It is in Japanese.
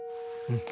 うん。